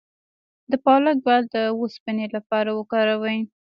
د پالک ګل د اوسپنې لپاره وکاروئ